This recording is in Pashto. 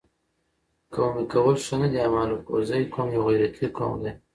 قومي کول ښه نه دي اما الکوزی قوم یو غیرتي قوم دي